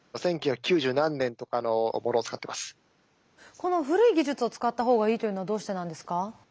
この古い技術を使った方がいいというのはどうしてなんですか？